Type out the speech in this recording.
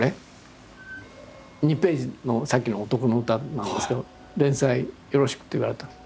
２ページのさっきの「おとこの詩」なんですけど「連載よろしく」って言われたの。